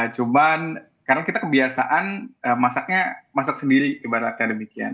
cuman karena kita kebiasaan masaknya masak sendiri ibaratnya demikian